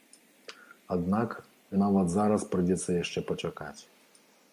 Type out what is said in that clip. Аднак, нават зараз прыйдзецца яшчэ пачакаць.